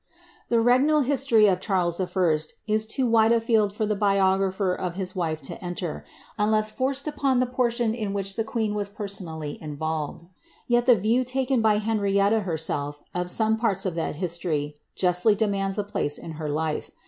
The regnal history of Charles I. is too wide a field for the biographer of his wife to enter, unless forced upon the' portion in which tlie queen was personally involved. Yet the view taken by Henrietta herself of some parts of that history justly demands a place in her life.